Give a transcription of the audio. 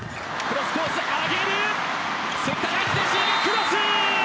クロス！